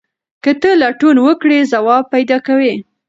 که ته لټون وکړې ځواب پیدا کوې.